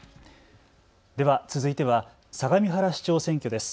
では続いては相模原市長選挙です。